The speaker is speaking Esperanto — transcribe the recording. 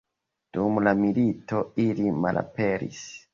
Dum la milito ili malaperis.